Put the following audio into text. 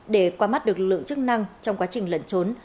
để qua mắt lực lượng chức năng trong quá trình lận trốn